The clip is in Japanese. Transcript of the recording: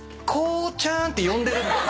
「光ちゃん」って呼んでる。